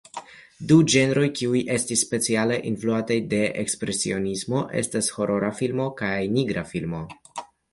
Du ĝenroj kiuj estis speciale influitaj de Ekspresionismo estas horora filmo kaj nigra filmo.